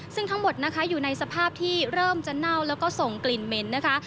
ซึ่งทั้งหมดนะคะอยู่ในสภาพที่เริ่มจะเน่าแล้วก็ส่งกลิ่นเหม็นนะคะ